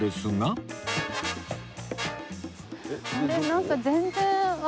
なんか全然。